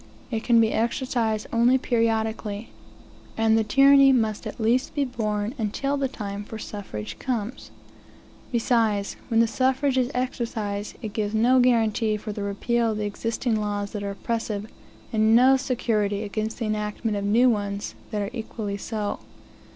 It can be exercised only periodically; and the tyranny must at least be borne until the time for suffrage comes. Be sides, when the suffrage is exercised, it gives no guaranty for the repeal of existing laws that are oppressive, and no security against the enactment of new ones that are equally so.